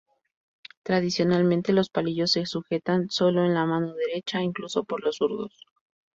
Tradicionalmente los palillos se sujetan solo en la mano derecha, incluso por los zurdos.